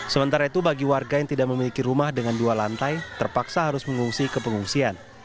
sementara itu bagi warga yang tidak memiliki rumah dengan dua lantai terpaksa harus mengungsi ke pengungsian